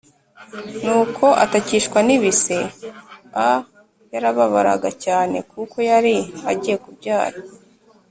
Nuko atakishwa n ibise a yarababaraga cyane kuko yari agiye kubyara